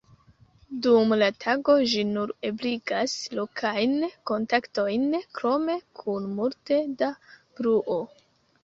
Dum la tago ĝi nur ebligas lokajn kontaktojn krome kun multe da bruo.